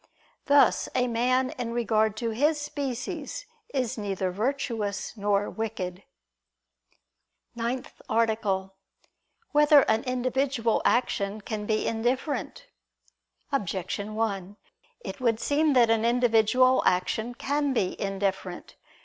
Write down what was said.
Thus a man in regard to his species is neither virtuous nor wicked. ________________________ NINTH ARTICLE [I II, Q. 18, Art. 9] Whether an Individual Action Can Be Indifferent? Objection 1: It would seem that an individual action can be indifferent.